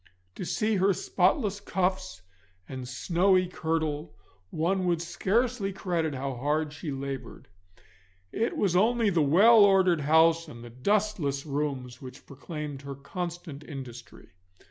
To see her spotless cuffs and snowy kirtle one would scarce credit how hard she laboured. It was only the well ordered house and the dustless rooms which proclaimed her constant industry.